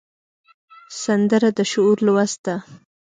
سندره د شعور لوست ده